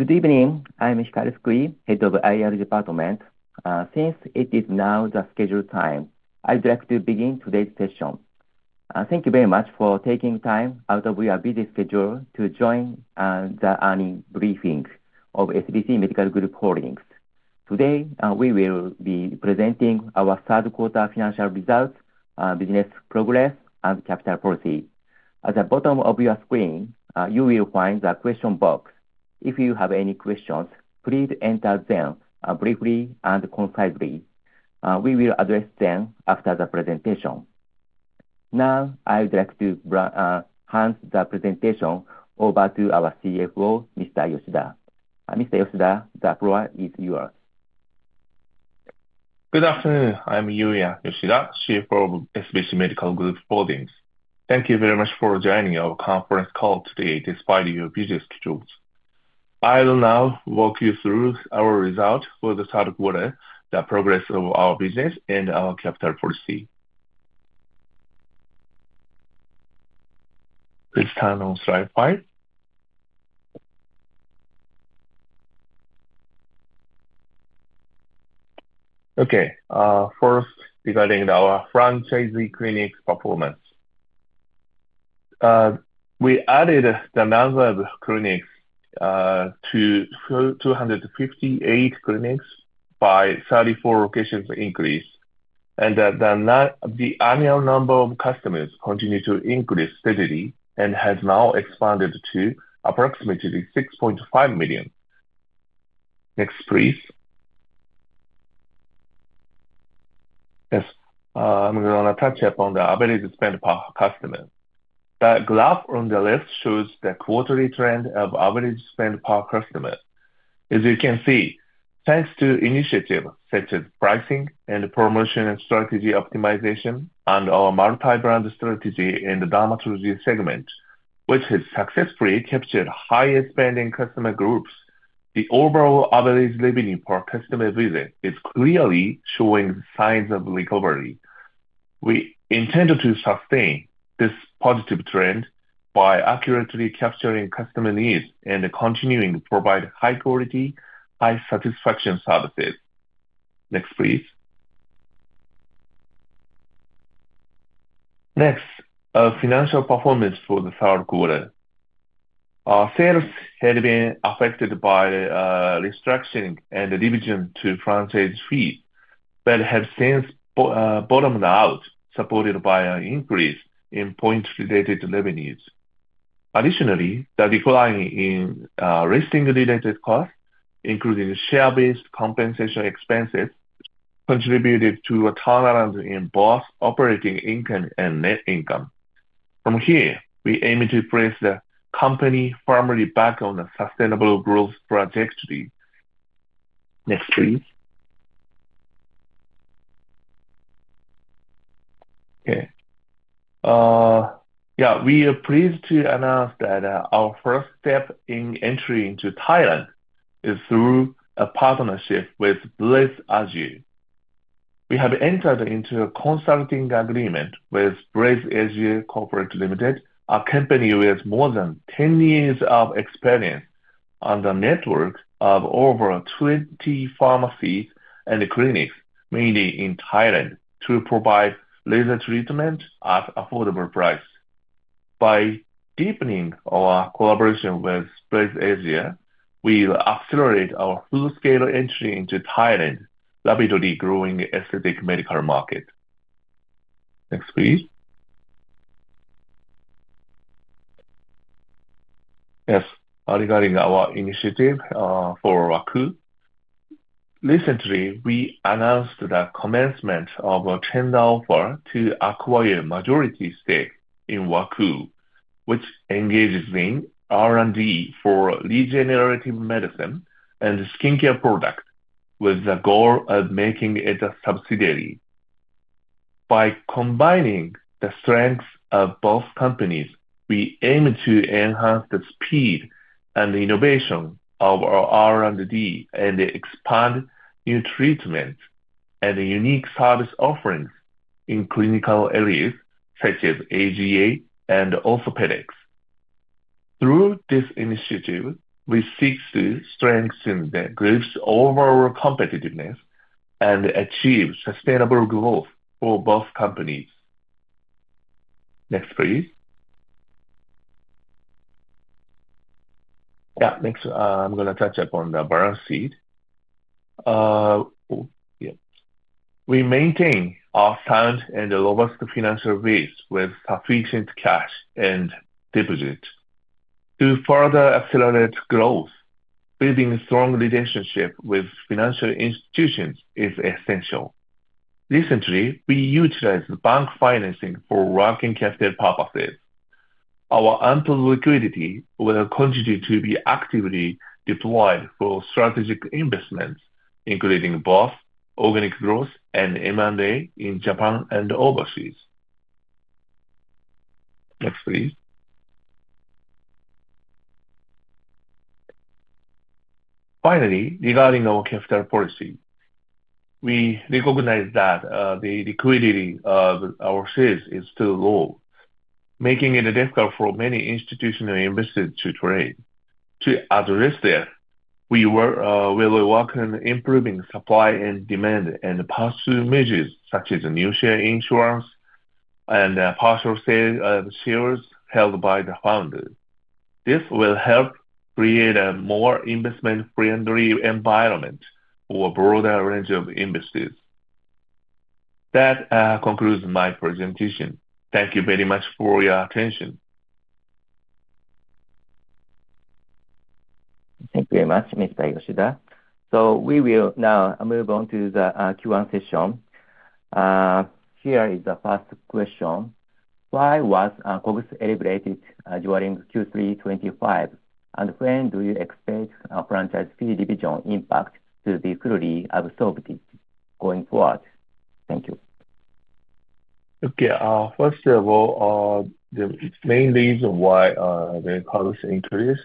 Good evening. I'm Michelle Skoui, Head of IR Department. Since it is now the scheduled time, I'd like to begin today's session. Thank you very much for taking time out of your busy schedule to join the early briefing of SBC Medical Group Holdings. Today, we will be presenting our Third-Quarter Financial Results, Business Progress, and Capital Policy. At the bottom of your screen, you will find the question box. If you have any questions, please enter them briefly and concisely. We will address them after the presentation. Now, I'd like to hand the presentation over to our CFO, Mr. Yoshida. Mr. Yoshida, the floor is yours. Good afternoon. I'm Yuya Yoshida, CFO of SBC Medical Group Holdings. Thank you very much for joining our Conference Call today despite your busy schedules. I will now walk you through our Results for the Third Quarter, the progress of our business and our Capital Policy. Please turn on slide five. Okay. First, regarding our Franchisee Clinics Performance. We added the number of clinics to 258 clinics by 34 locations increase, and the annual number of customers continues to increase steadily and has now expanded to approximately 6.5 million. Next, please. Yes. I'm going to touch upon the Average Spend Per Customer. The graph on the left shows the quarterly trend of Average Spend Per Customer. As you can see, thanks to initiatives such as Pricing and Promotion and Strategy Optimization, and our Multi-brand Strategy in the Dermatology Segment, which has successfully captured highest spending customer groups, the overall average Revenue Per Customer visit is clearly showing signs of recovery. We intend to sustain this positive trend by accurately capturing customer needs and continuing to provide high-quality, high-satisfaction services. Next, please. Next, Financial Performance for the 3rd quarter. Our sales had been affected by restructuring and a division to franchise fees, but have since bottomed out, supported by an increase in point-related revenues. Additionally, the decline in racing-related costs, including share-based compensation expenses, contributed to a tolerance in both Operating Income and Net Income. From here, we aim to place the company firmly back on a Sustainable Growth Trajectory. Next, please. Okay. Yeah. We are pleased to announce that our 1st step in entering into Thailand is through a partnership with BLEZ ASIA. We have entered into a consulting agreement with BLEZ ASIA Co, Ltd, a company with more than 10 years of experience and a network of over 20 pharmacies and clinics, mainly in Thailand, to provide Laser Treatment at affordable price. By deepening our collaboration with BLEZ ASIA, we will accelerate our full-scale entry into Thailand's rapidly growing Aesthetic Medical Market. Next, please. Yes. Regarding our initiative for Waku, recently, we announced the commencement of a tender offer to acquire majority stake in Waku, which engages in R&D for Regenerative Medicine and Skincare Products with the goal of making it a subsidiary. By combining the strengths of both companies, we aim to enhance the speed and innovation of our R&D and expand new treatments and unique service offerings in clinical areas such as AGA and Orthopedics. Through this initiative, we seek to strengthen the group's overall competitiveness and achieve sustainable growth for both companies. Next, please. Yeah. Next, I'm going to touch upon the Balance Sheet. We maintain our sound and robust Financial Base with Sufficient Cash and Deposits. To further accelerate growth, building strong relationships with Financial Institutions is essential. Recently, we utilized Bank Financing for working capital purposes. Our ample liquidity will continue to be actively deployed for strategic investments, including both organic growth and M&A in Japan and overseas. Next, please. Finally, regarding our capital policy, we recognize that the liquidity of our shares is still low, making it difficult for many institutional investors to trade. To address this, we will work on improving Supply and Demand and pass through measures such as new share issuance and partial shares held by the founder. This will help create a more Investment-friendly Environment for a broader range of investors. That concludes my presentation. Thank you very much for your attention. Thank you very much, Mr. Yoshida. We will now move on to the Q&A session. Here is the 1st question. Why was COVID elevated during Q3 2025, and when do you expect a Franchise Fee Division impact to be fully absorbed going forward? Thank you. Okay. First of all, the main reason why the cost increased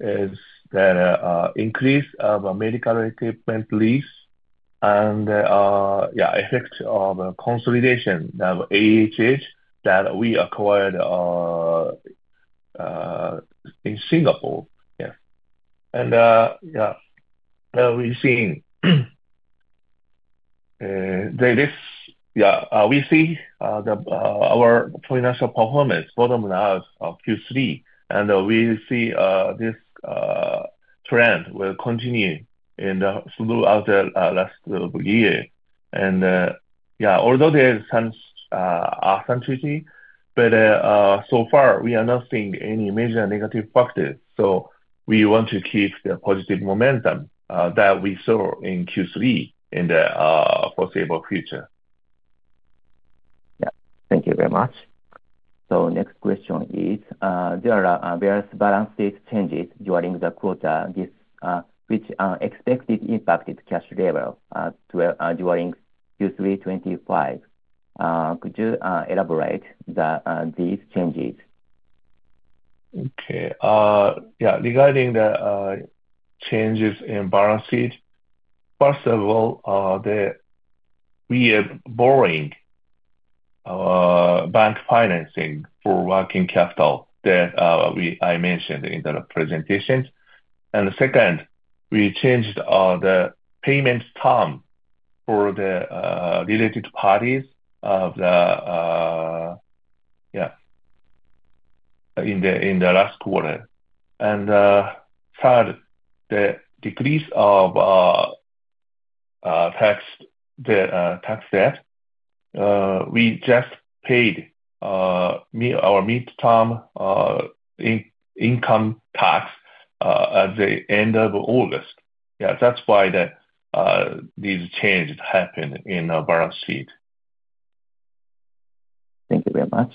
is the increase of Medical Equipment Lease and the effect of consolidation of AHH that we acquired in Singapore. Yeah. And yeah, we've seen this. Yeah. We see our Financial Performance bottomed out of Q3, and we see this trend will continue throughout the last year. Yeah, although there are some tweaks, but so far, we are not seeing any major negative factors. We want to keep the positive momentum that we saw in Q3 in the foreseeable future. Yeah. Thank you very much. Next question is, there are various Balance Sheet changes during the quarter which expected impacted cash level during Q3 2025. Could you elaborate on these changes? Okay. Yeah. Regarding the changes in Balance Sheet, first of all, we are borrowing Bank Financing for Working Capital that I mentioned in the presentation. Second, we changed the Payment Term for the related parties in the last quarter. Third, the decrease of Tax Debt. We just paid our Midterm Income Tax at the end of August. Yeah. That's why these changes happened in the Balance Sheet. Thank you very much.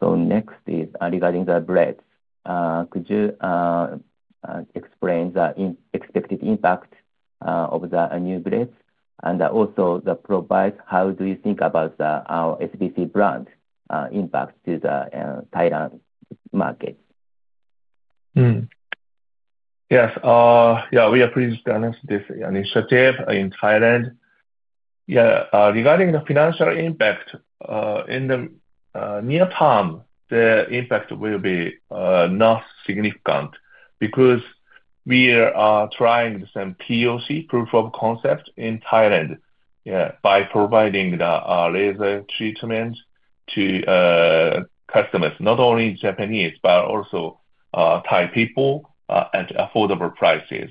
Next is regarding the breadth. Could you explain the expected impact of the new breadth? Also, the provide, how do you think about our SBC brand impact to the Thailand market? Yes. Yeah. We are pleased to announce this initiative in Thailand. Yeah. Regarding the Financial Impact, in the near term, the impact will be not significant because we are trying some POC, Proof of Concept, in Thailand, yeah, by providing the Laser Treatment to customers, not only Japanese, but also Thai people at affordable prices.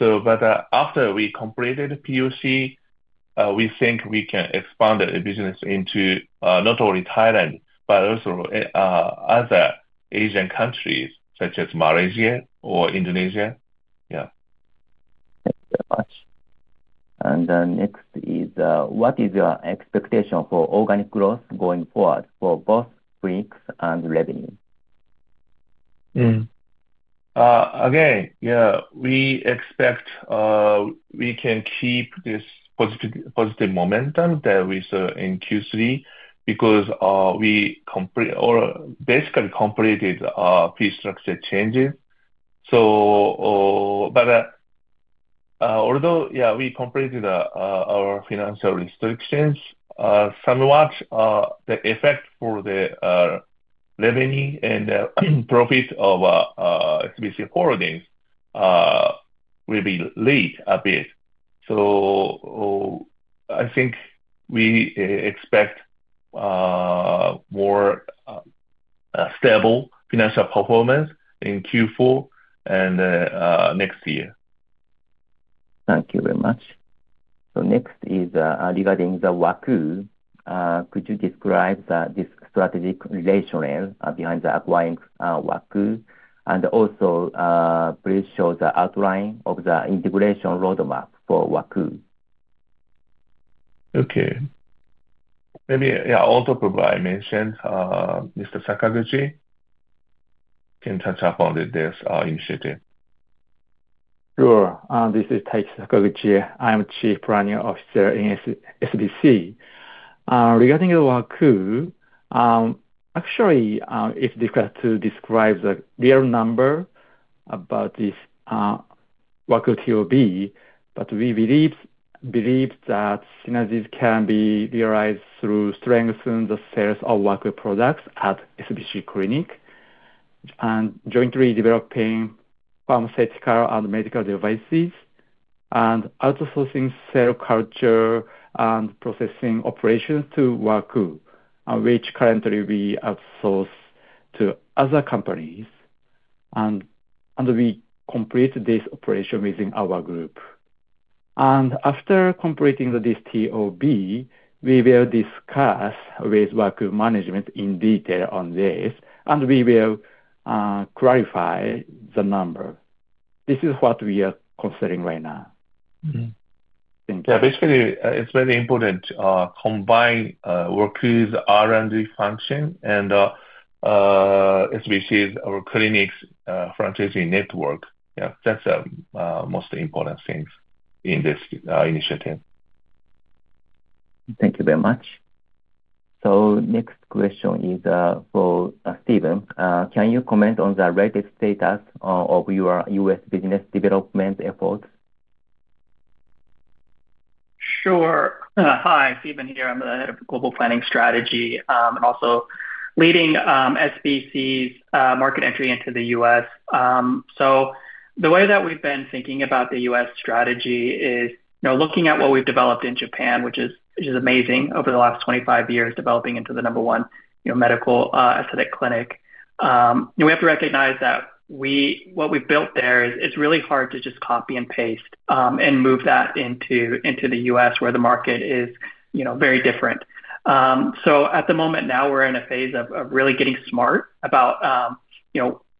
After we completed POC, we think we can expand the business into not only Thailand, but also other Asian countries such as Malaysia or Indonesia. Yeah. Thank you very much. Next is, what is your expectation for organic growth going forward for both breadth and revenue? Again, yeah, we expect we can keep this positive momentum that we saw in Q3 because we basically completed our fee structure changes. Although, yeah, we completed our Financial Restrictions, somewhat the effect for the revenue and the profit of SBC Medical Group Holdings will be late a bit. I think we expect more stable Financial Performance in Q4 and next year. Thank you very much. Next is regarding the Waku. Could you describe the strategic relationship behind acquiring Waku? Also, please show the outline of the Integration Roadmap for Waku. Okay. Maybe, yeah, also provide mention Mr. Sakaguchi can touch upon this initiative. Sure. This is Taiki Sakaguchi. I'm Chief Planning Officer in SBC. Regarding the Waku, actually, it's difficult to describe the real number about this Waku TOB, but we believe that synergies can be realized through strengthening the sales of Waku products at SBC Clinic and jointly developing Pharmaceutical and Medical Devices and outsourcing Cell Culture and Processing Operations to Waku, which currently we outsource to other companies. We complete this operation within our group. After completing this TOB, we will discuss with Waku Management in detail on this, and we will clarify the number. This is what we are considering right now. Thank you. Yeah. Basically, it's very important to combine Waku's R&D function and SBC's clinics' franchisee network. Yeah. That's the most important thing in this initiative. Thank you very much. Next question is for Stephen. Can you comment on the latest status of your U.S. business development efforts? Sure. Hi, Stephen here. I'm the Head of Global Planning Strategy and also leading SBC's market entry into the U.S.. The way that we've been thinking about the U.S. strategy is looking at what we've developed in Japan, which is amazing over the last 25 years, developing into the number one Medical Aesthetic Clinic. We have to recognize that what we've built there is really hard to just copy and paste and move that into the U.S. where the market is very different. At the moment now, we're in a phase of really getting smart about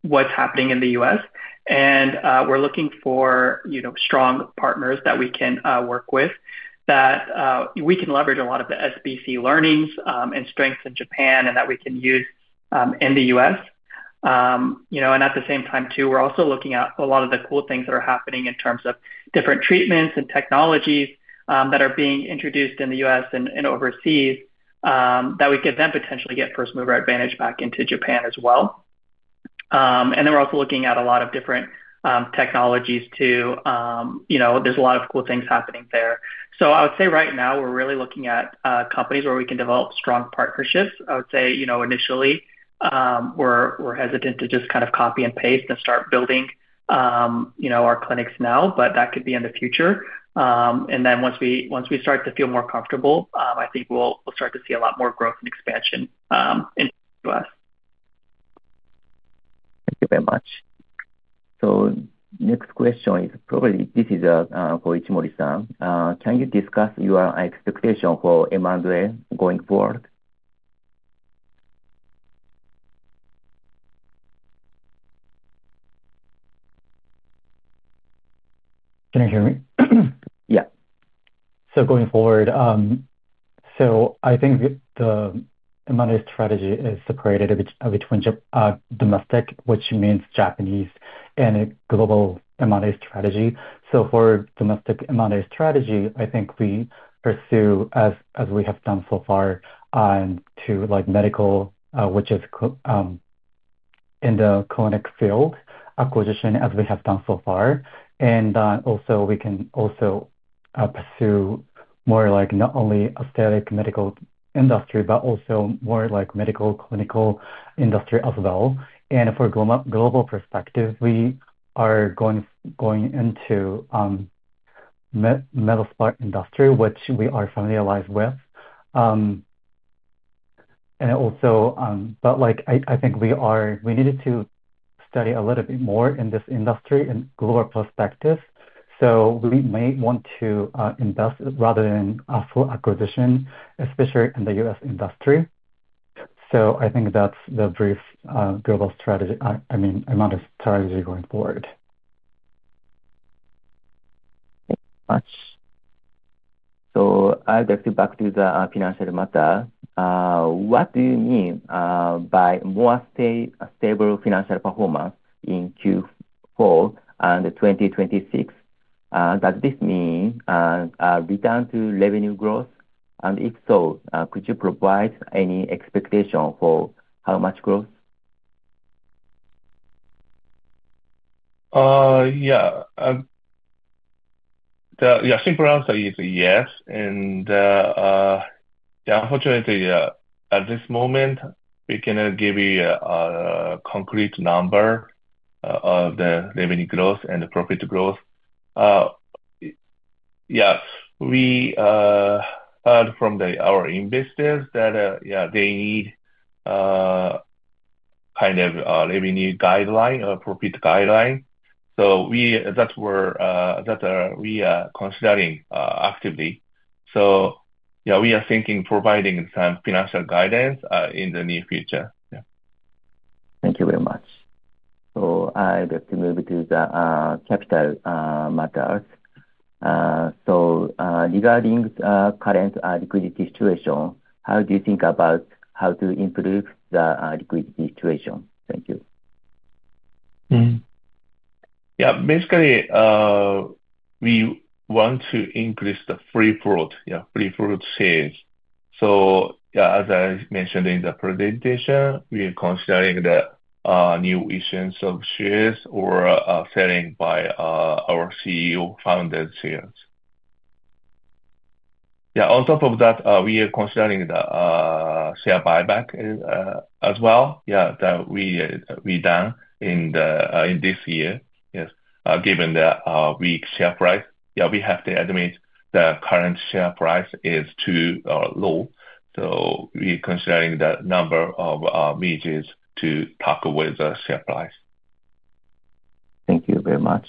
what's happening in the U.S.. We're looking for strong partners that we can work with that we can leverage a lot of the SBC learnings and strengths in Japan and that we can use in the U.S.. At the same time, too, we're also looking at a lot of the cool things that are happening in terms of different treatments and technologies that are being introduced in the U.S. and overseas that we could then potentially get 1st mover advantage back into Japan as well. We're also looking at a lot of different technologies too. There's a lot of cool things happening there. I would say right now, we're really looking at companies where we can develop strong partnerships. I would say initially, we're hesitant to just kind of copy and paste and start building our clinics now, but that could be in the future. Once we start to feel more comfortable, I think we'll start to see a lot more growth and expansion in the U.S.. Thank you very much. Next question is probably this is for Morisa. Can you discuss your expectation for M&A going forward? Can you hear me? Yeah. Going forward, I think the M&A strategy is separated between domestic, which means Japanese, and a Global M&A strategy. For Domestic M&A strategy, I think we pursue, as we have done so far, to medical, which is in the Clinic Field Acquisition, as we have done so far. Also, we can pursue more not only Aesthetic Medical Industry, but also more Medical Clinical Industry as well. For Global Perspective, we are going into Metal Smart Industry, which we are familiarized with. Also, I think we needed to study a little bit more in this industry and global perspective. We may want to invest rather than a full acquisition, especially in the U.S. industry. I think that is the brief Global Strategy, I mean, M&A strategy going forward. Thank you very much. I'll get you back to the Financial Matter. What do you mean by more Stable Financial Performance in Q4 and 2026? Does this mean a return to revenue growth? If so, could you provide any expectation for how much growth? Yeah. Yeah. Simple answer is yes. Unfortunately, at this moment, we cannot give you a concrete number of the revenue growth and the profit growth. Yes. We heard from our investors that, yeah, they need kind of a Revenue Guideline or Profit Guideline. That we are considering actively. Yeah, we are thinking of providing some Financial Guidance in the near future. Yeah. Thank you very much. I'll get you maybe to the Capital Matters. Regarding current Liquidity Situation, how do you think about how to improve the Liquidity Situation? Thank you. Yeah. Basically, we want to increase the Free Float, yeah, Free Float Sales. So yeah, as I mentioned in the presentation, we are considering the new issues of shares or selling by our CEO-founded shares. Yeah. On top of that, we are considering the share buyback as well, yeah, that we done in this year, yes, given the weak share price. Yeah, we have to admit the current share price is too low. So we are considering the number of meetings to talk with the share price. Thank you very much.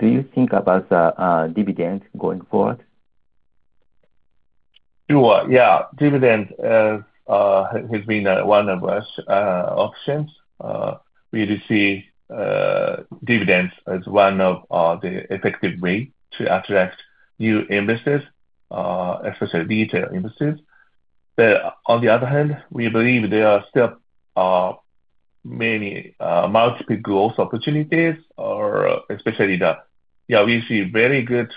Do you think about the dividend going forward? Sure. Yeah. Dividend has been one of our options. We receive dividends as one of the effective ways to attract new investors, especially retail investors. On the other hand, we believe there are still many multiple growth opportunities, especially the, yeah, we see very good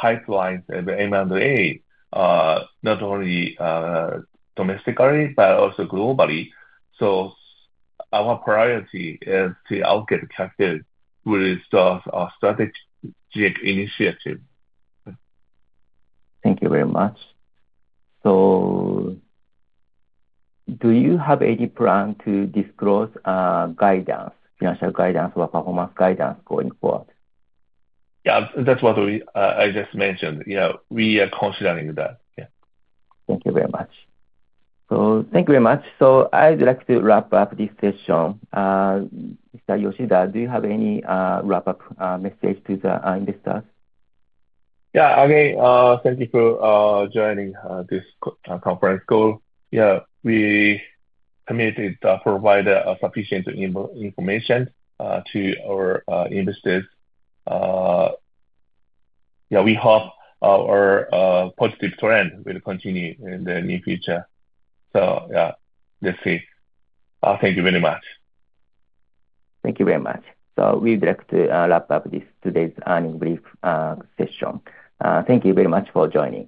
pipelines at the M&A, not only domestically, but also globally. Our priority is to allocate the capital with our Strategic Initiative. Thank you very much. Do you have any plan to disclose financial guidance or performance guidance going forward? Yeah. That's what I just mentioned. We are considering that. Yeah. Thank you very much. I'd like to wrap up this session. Mr. Yoshida, do you have any wrap-up message to the investors? Yeah. Again, thank you for joining this conference call. Yeah. We committed to provide sufficient information to our investors. Yeah. We hope our positive trend will continue in the near future. Yeah, that's it. Thank you very much. Thank you very much. We would like to wrap up today's earnings brief session. Thank you very much for joining.